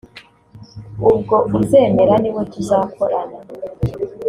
ubwo uzemera ni we tuzakorana”